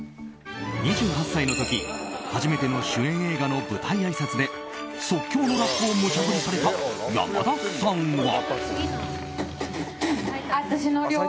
２８歳の時、初めての主演映画の舞台あいさつで即興のラップをむちゃ振りされた山田さんは。